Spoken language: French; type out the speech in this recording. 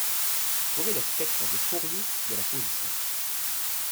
Trouvez le spectre de Fourier de la position